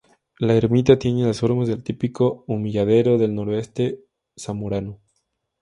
La ermita tiene las formas del típico humilladero del noroeste zamorano.